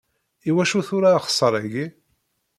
I wacu tura axeṣṣar-agi?